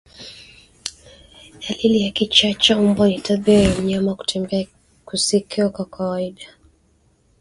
Dalili ya kichaa cha mbwa ni tabia ya mnyama kutembea kusiko kwa kawaida